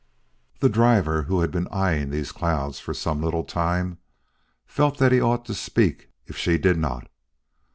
The driver, who had been eying these clouds for some little time, felt that he ought to speak if she did not.